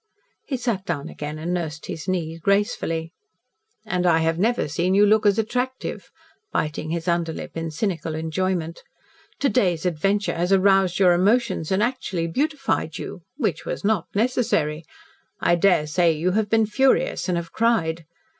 He sat down again and nursed his knee gracefully. "And I have never seen you look as attractive," biting his under lip in cynical enjoyment. "To day's adventure has roused your emotions and actually beautified you which was not necessary. I daresay you have been furious and have cried.